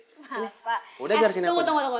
nggak apa tunggu tunggu tunggu